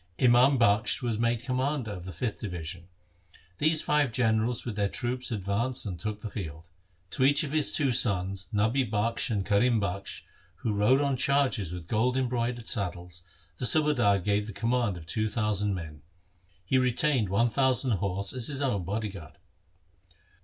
Imam Bakhsh was made commander of the fifth division. These five generals with their troops advanced and took the field. To each of his two sons, Nabi Bakhsh and Karim Bakhsh, who rode on chargers with gold embroidered saddles, the subadar gave the command of two thousand men. He retained one thousand horse as his own body guard.